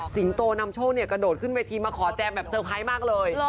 โตนำโชคเนี่ยกระโดดขึ้นเวทีมาขอแจมแบบเตอร์ไพรส์มากเลย